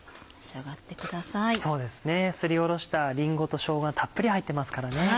すりおろしたりんごとしょうがたっぷり入ってますからね。